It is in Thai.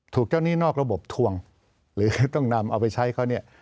ถูกเจ้าหนี้นอกระบบทวงหรือต้องนำเอาไปใช้เขาเนี่ย